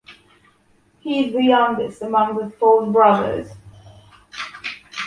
He's the youngest among the four brothers.